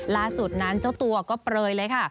ล่าสุดนั้นเจ้าตัวก็เปลยเลยค่ะ